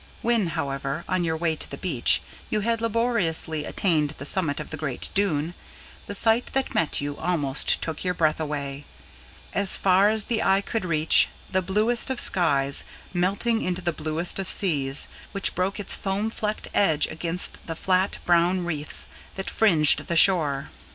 When, however, on your way to the beach you had laboriously attained the summit of the great dune, the sight that met you almost took your breath away: as far as the eye could reach, the bluest of skies melting into the bluest of seas, which broke its foam flecked edge against the flat, brown reefs that fringed the shore.